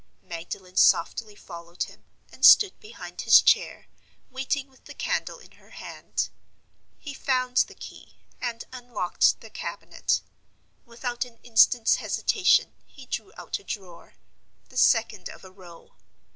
Magdalen softly followed him, and stood behind his chair, waiting with the candle in her hand. He found the key, and unlocked the cabinet. Without an instant's hesitation, he drew out a drawer, the second of a row.